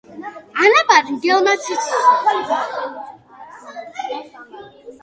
ანაბარი მგელმაც იცისო